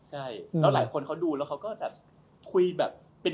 หลายคนคนเขาดูแล้วก็คุยคุยกับเรานะ